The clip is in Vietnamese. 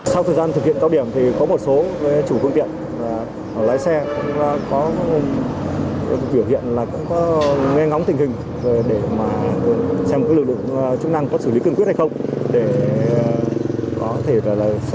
sau thời gian thực hiện cao điểm thì có một số chủ công việc là lái xe